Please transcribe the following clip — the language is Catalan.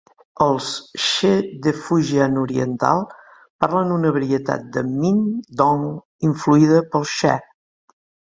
Els she de Fujian Oriental parlen una varietat de min dong influïda pel she.